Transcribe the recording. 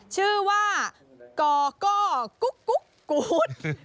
ชื่อว่ากกกุ๊ด